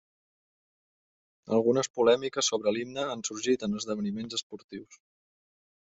Algunes polèmiques sobre l'himne han sorgit en esdeveniments esportius.